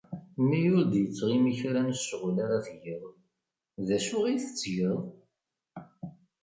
Mi ur d-yettɣimi kra n ccɣel ara tgeḍ, d acu ay tettgeḍ?